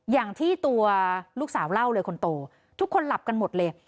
อย่างที่ตัวลูกสาวเล่าเลยคนโตทุกคนหลับกันหมดเลย